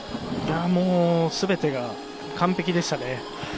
もうすべてが完璧でしたね。